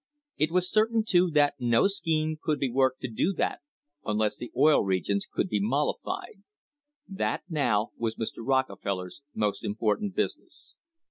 It was certain, too, that no scheme could be worked to do that unless the Oil Regions could be mollified. That now was Mr. Rockefeller's most important business.